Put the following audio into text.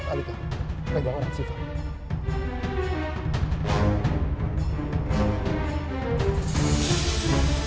anika pegang resifan